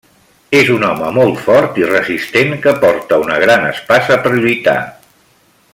És un home molt fort i resistent, que porta una gran espasa per lluitar.